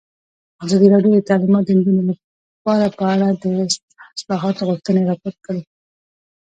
ازادي راډیو د تعلیمات د نجونو لپاره په اړه د اصلاحاتو غوښتنې راپور کړې.